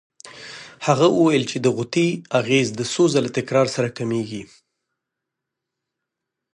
هغه وویل چې د غوطې اغېز د څو ځله تکرار سره کمېږي.